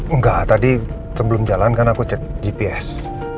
enggak tadi sebelum jalan kan aku cek gps